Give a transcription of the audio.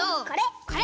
これ！